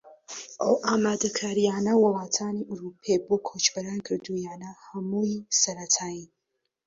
ئەو ئامادەکارییانەی وڵاتانی ئەوروپی بۆ کۆچبەران کردوویانە هەمووی سەرەتایین